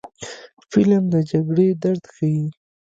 فلم د جګړې درد ښيي